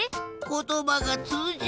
ことばがつうじない。